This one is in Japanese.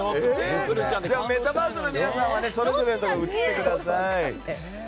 メタバースの皆さんはそれぞれ移ってください。